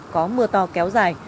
có mưa to kéo dài